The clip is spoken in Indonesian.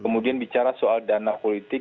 kemudian bicara soal dana politik